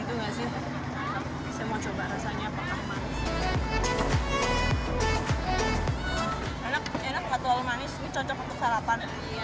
enak enak gak terlalu manis ini cocok untuk sarapan